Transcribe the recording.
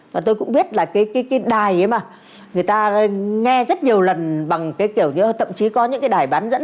và tôi cũng biết là cái đài ấy mà người ta nghe rất nhiều lần bằng cái kiểu như thậm chí có những cái đài bán dẫn